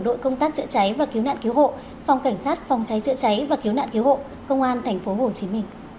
đội công tác chữa cháy và cứu nạn cứu hộ phòng cảnh sát phòng cháy chữa cháy và cứu nạn cứu hộ công an tp hcm